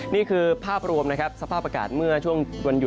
นี่คือภาพรวมสภาพอากาศเมือง